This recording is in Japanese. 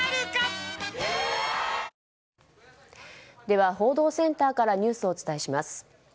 では、報道センターからニュースをお伝えします。